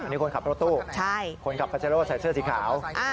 นี่คนขับรถตู้คนขับคาเจโร่ใส่เสื้อสีขาว